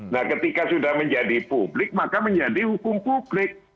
nah ketika sudah menjadi publik maka menjadi hukum publik